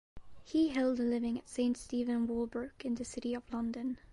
He held the living at St Stephen Walbrook in the City of London.